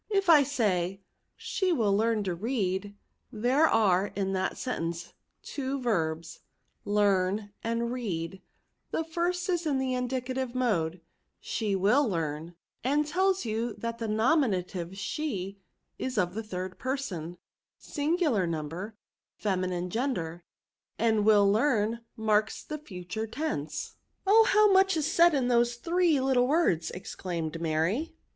If I say, ^ She will learn to readt there are in that sentence two verbs, learn and read* The first is in the in dicative mode, ' she will leam^ and tells you that the nominative she is of the third person^ singular number, feminine gender ; and wiU learn marks the future tense. ^' Oh! how much is said in those three little words !exclaimed Mary.